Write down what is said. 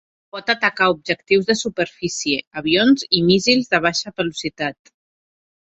Pot atacar objectius de superfície, avions i míssils de baixa velocitat.